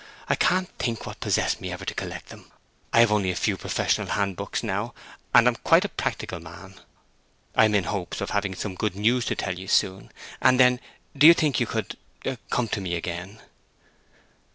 I can't think what possessed me ever to collect them. I have only a few professional hand books now, and am quite a practical man. I am in hopes of having some good news to tell you soon, and then do you think you could—come to me again?"